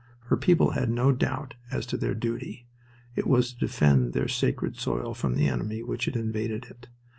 Her people had no doubt as to their duty. It was to defend their sacred soil from the enemy which had invaded it.